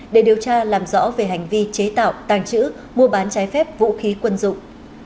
để điều tra làm rõ về hành vi chế tạo tàng trữ mua bán trái phép vũ khí quân dụng